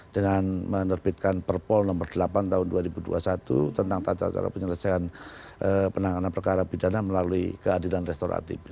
dengan menerbitkan perpol nomor delapan tahun dua ribu dua puluh satu tentang tata cara penyelesaian penanganan perkara pidana melalui keadilan restoratif